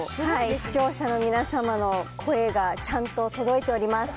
視聴者の皆様の声が、ちゃんと届いております。